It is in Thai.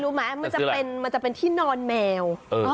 ตอนนั้นจะซื้ออะไรรู้ไหมมันจะเป็นที่นอนแมว